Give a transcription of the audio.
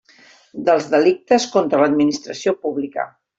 Dels delictes contra l'Administració publica.